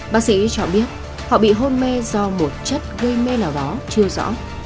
bác sĩ cho biết họ bị hôn mê do một chất gây mê nào đó chưa rõ